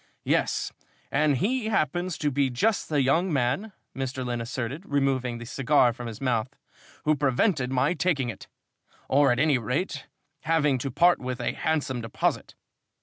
"Yes, and he happens to be just the young man," Mr. Lynn asserted, removing the cigar from his mouth, "who prevented my taking it, or at any rate having to part with a handsome deposit.